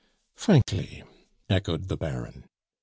"Frankly," echoed the Baron.